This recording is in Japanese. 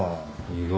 意外。